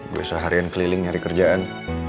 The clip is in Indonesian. gue seharian keliling nyari kerjaan